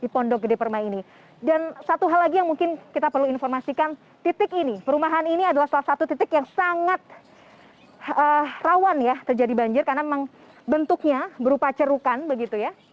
pondok gede permai jatiasi pada minggu pagi